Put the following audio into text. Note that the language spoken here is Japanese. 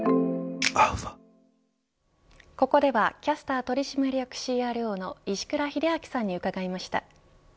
ここではキャスター取締役ＣＲＯの石倉秀明さんに伺いました。